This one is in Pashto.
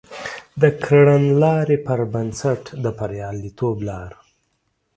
د کړنلاري پر بنسټ د بریالیتوب لپاره